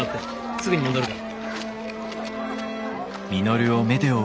すぐに戻るから。